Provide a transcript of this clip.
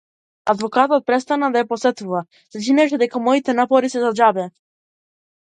Адвокатот престана да ја посетува се чинеше дека моите напори се за џабе.